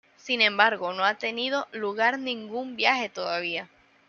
Sin embargo, no ha tenido lugar ningún viaje todavía.